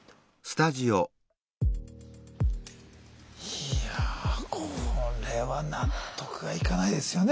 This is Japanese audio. いやあこれは納得がいかないですよね